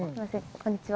こんにちは。